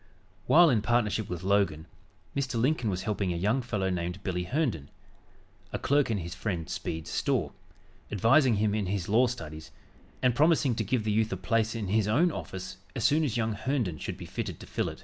While in partnership with Logan, Mr. Lincoln was helping a young fellow named "Billy" Herndon, a clerk in his friend Speed's store, advising him in his law studies and promising to give the youth a place in his own office as soon as young Herndon should be fitted to fill it.